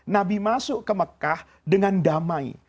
nabi masuk ke mekah dengan damai